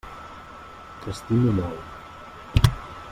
T'estimo molt.